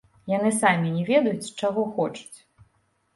Яны самі не ведаюць, чаго хочуць.